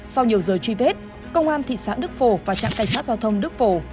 sau nhiều giờ truy vết công an thị xã đức phổ và trạng cài xã giao thông đức phổ